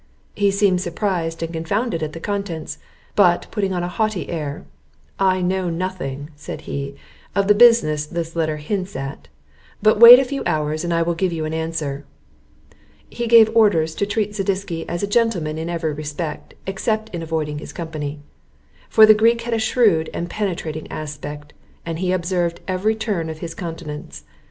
He seemed surprised and confounded at the contents; but, putting on an haughty air, "I know nothing," said he, "of the business this letter hints at; but wait a few hours, and I will give you an answer." He gave orders to treat Zadisky as a gentleman in every respect, except in avoiding his company; for the Greek had a shrewd and penetrating aspect, and he observed every turn of his countenance.